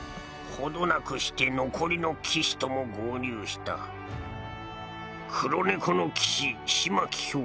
程なくして残りの騎士とも合流した黒猫の騎士風巻